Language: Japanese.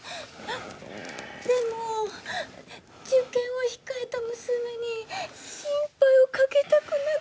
でも受験を控えた娘に心配をかけたくなくて。